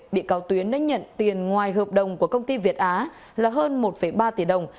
bị cáo tuyến đánh nhận tiền ngoài hợp đồng của công ty việt á là hơn một ba tỷ đồng